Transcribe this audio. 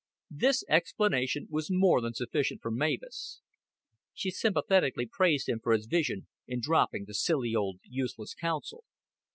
This explanation was more than sufficient for Mavis; she sympathetically praised him for his wisdom in dropping the silly old useless Council.